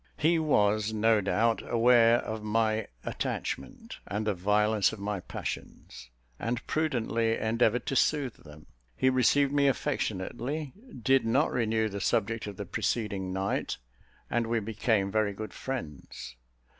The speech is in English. He was, no doubt, aware of my attachment and the violence of my passions, and prudently endeavoured to soothe them. He received me affectionately, did not renew the subject of the preceding night, and we became very good friends.